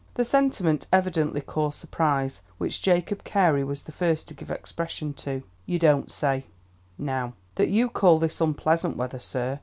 The sentiment evidently caused surprise, which Jacob Carey was the first to give expression to. "You don't say, now, that you call this unpleasant weather, sir?